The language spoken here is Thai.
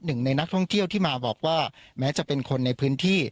หนึ่งในนักท่องเที่ยวที่มาบอกว่าแม้จะเป็นคนในพื้นที่